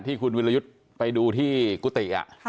ที่คุณวิรยุทธ์ไปดูที่กุฏิ